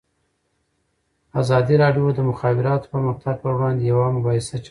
ازادي راډیو د د مخابراتو پرمختګ پر وړاندې یوه مباحثه چمتو کړې.